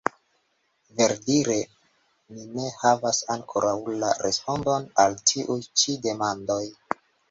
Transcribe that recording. Ver-dire ni ne havas ankoraŭ la respondon al tiuj ĉi demandoj.